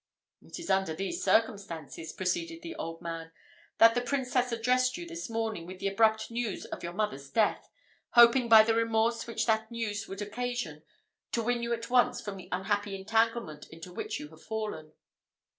"It is under these circumstances," proceeded the old man, "that the princess addressed you this morning with the abrupt news of your mother's death, hoping by the remorse which that news would occasion, to win you at once from the unhappy entanglement into which you have fallen."